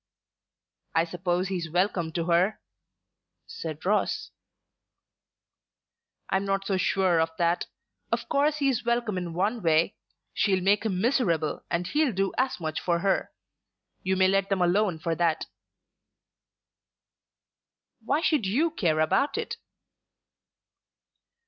"I suppose he's welcome to her?" said Ross. "I'm not so sure of that. Of course he is welcome in one way. She'll make him miserable and he'll do as much for her. You may let them alone for that." "Why should you care about it?"